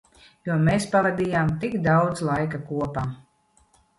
Jo mēs pavadījām tik daudz laika kopā.